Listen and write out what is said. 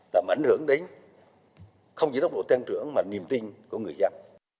và mà ảnh hưởng đến không chỉ tốc độ tăng trưởng mà niềm tin của người dân